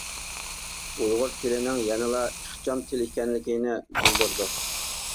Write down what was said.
ئۇيغۇر تىلىنىڭ يەنىلا ئىخچام تىل ئىكەنلىكىنى بىلدۈرىدۇ.